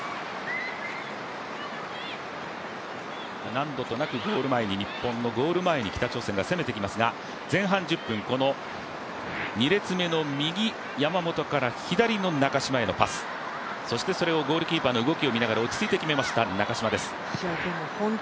何度となく日本のゴール前に北朝鮮が攻めてきますが前半１０分、２列目の右、山本から左の中嶋へのパスそしてそれをゴールキーパーの動きを見ながら落ち着いて決めました、中嶋です。